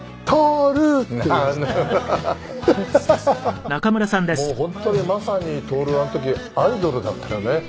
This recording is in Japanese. もう本当にまさに徹はあの時アイドルだったよね。